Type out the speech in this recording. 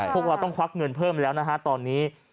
พวกเราต้องควักเงินเพิ่มแล้วนะฮะตอนนี้